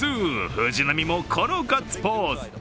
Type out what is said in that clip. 藤浪もこのガッツポーズ。